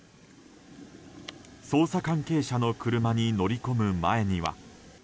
捜査関係者の車に乗り込む前には。